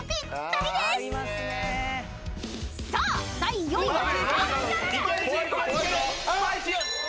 ［さあ第４位は？］